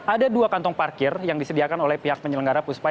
ada dua kantong parkir yang disediakan oleh pihak penyelenggara puspa